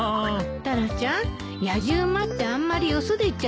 タラちゃんやじ馬ってあんまりよそで言っちゃ駄目よ。